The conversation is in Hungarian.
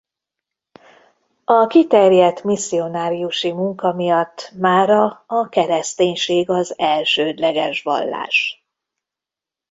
A kiterjedt misszionáriusi munka miatt mára a kereszténység az elsődleges vallás.